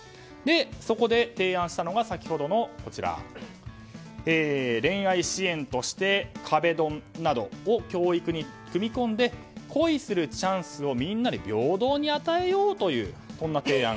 そこで、提案したのが先ほどの恋愛支援として壁ドンなどを教育に組み込んで恋するチャンスをみんなに平等に与えようという提案。